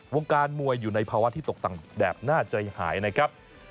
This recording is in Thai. วงการมวยอยู่ในภาวะที่ตกแต่งแบบน่าใจหายนะครับ